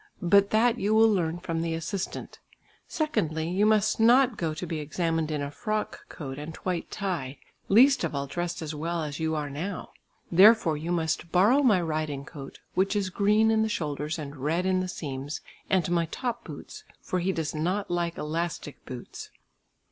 But that you will learn from the assistant. Secondly, you must not go to be examined in a frock coat and white tie; least of all, dressed as well as you are now. Therefore you must borrow my riding coat, which is green in the shoulders and red in the seams, and my top boots, for he does not like elastic boots."